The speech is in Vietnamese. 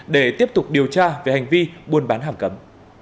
để tiếp tục điều tra về hành vi buôn bán hàng cấm